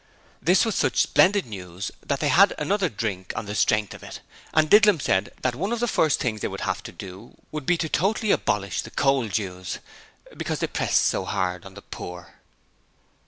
This was such splendid news that they had another drink on the strength of it, and Didlum said that one of the first things they would have to do would be to totally abolish the Coal Dues, because they pressed so hard on the poor.